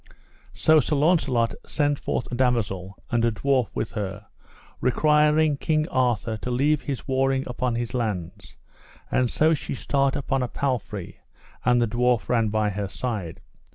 So Sir Launcelot sent forth a damosel and a dwarf with her, requiring King Arthur to leave his warring upon his lands; and so she start upon a palfrey, and the dwarf ran by her side.